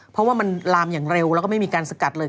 เพราะว่ามันลามอย่างเร็วแล้วก็ไม่มีการสกัดเลย